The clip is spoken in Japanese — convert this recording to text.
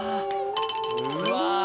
・うわ。